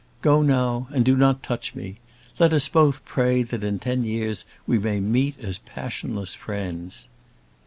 Go now, and do not touch me. Let us both pray that in ten years we may meet as passionless friends."